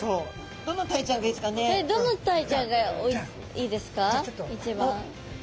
どのタイちゃんがいいですかね？